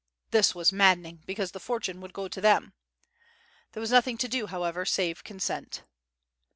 This was maddening, because the fortune would go to them. There was nothing to do, however, save consent.